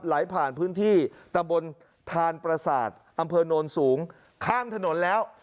ไหลผ่านพื้นที่ตะบนทานประสาทอำเภอโนนสูงข้ามถนนแล้ว